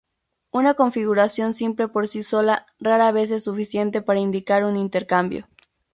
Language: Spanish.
Una configuración simple por sí sola rara vez es suficiente para indicar un intercambio.